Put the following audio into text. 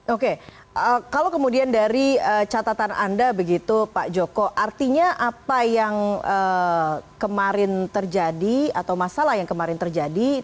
oke kalau kemudian dari catatan anda begitu pak joko artinya apa yang kemarin terjadi atau masalah yang kemarin terjadi